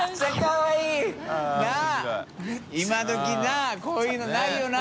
覆今時なこういうのないよな